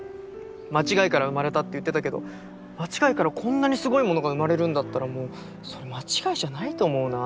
間違いから生まれたって言ってたけど間違いからこんなにすごいものが生まれるんだったらもうそれ間違いじゃないと思うな。